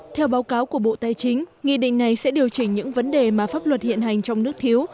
theo báo cáo của bộ tài chính nghị định này sẽ điều chỉnh những vấn đề mà pháp luật hiện hành trong nước thiếu